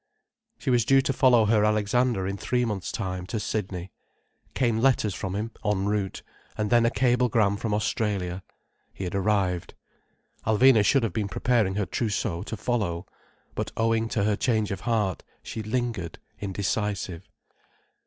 She was due to follow her Alexander in three months' time, to Sydney. Came letters from him, en route—and then a cablegram from Australia. He had arrived. Alvina should have been preparing her trousseau, to follow. But owing to her change of heart, she lingered indecisive.